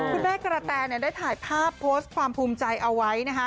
คุณแม่กระแตได้ถ่ายภาพโพสต์ความภูมิใจเอาไว้นะคะ